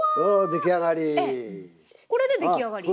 これで出来上がり？